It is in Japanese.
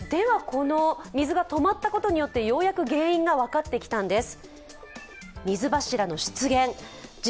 この水が止まったことによってようやく原因が分かってきたんです。